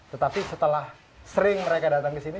tetapi setelah sering mereka datang ke sini